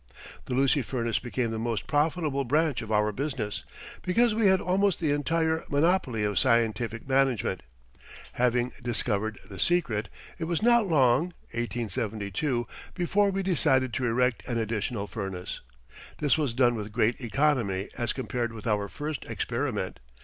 The Lucy Furnace became the most profitable branch of our business, because we had almost the entire monopoly of scientific management. Having discovered the secret, it was not long (1872) before we decided to erect an additional furnace. This was done with great economy as compared with our first experiment.